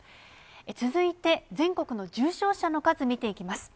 続いて、全国の重症者の数見ていきます。